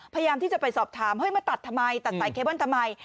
พยายามที่จะไปสอบถามเฮ้ยมาตัดทำไมตัดสายเคเบิ้ลทำไม